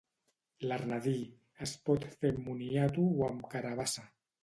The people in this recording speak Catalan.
L’arnadí: es pot fer amb moniato o amb carabassa.